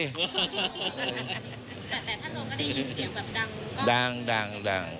แต่ท่านรองก็ได้ยินเสียงแบบดัง